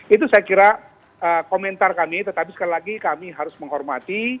itu saya kira komentar kami tetapi sekali lagi kami harus menghormati